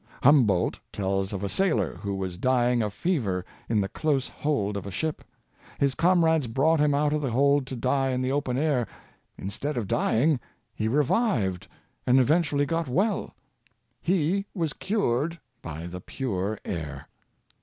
Humboldt tells of a sailor who was dying of fever in the close hold of a ship. His com rades brought him out of the hold to die in the open air. Instead of dying, he revived, and eventually got well. He was cured by the pure air.